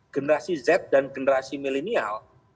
generasi z dan generasi milenial